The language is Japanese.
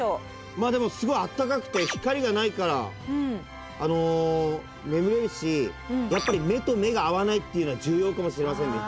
まあでもすごいあったかくて光がないから眠れるしやっぱり目と目が合わないっていうのは重要かもしれませんね。